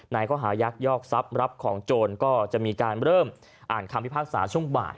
ข้อหายักยอกทรัพย์รับของโจรก็จะมีการเริ่มอ่านคำพิพากษาช่วงบ่าย